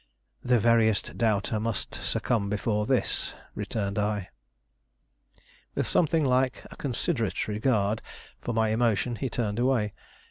"The veriest doubter must succumb before this," returned I. With something like a considerate regard for my emotion, he turned away.